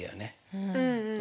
うんうん。